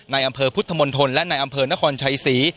ในอำเภอพุทธมณฑลและในอำเภอนครชัยศรี